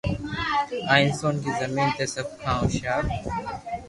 اها انسان کي زمين تي سڀ کان هوشيار